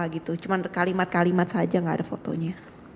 gitu cuma kalimat kalimat saja gak ada fotonya